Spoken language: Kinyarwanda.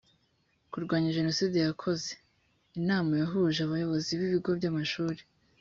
kurwanya jenoside yakoze inama yahuje abayobozi b ibigo by amashuri